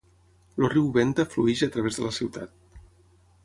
El riu Venta flueix a través de la ciutat.